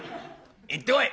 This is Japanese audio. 行ってこい」。